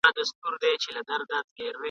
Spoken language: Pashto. ننګول مي زیارتونه هغه نه یم !.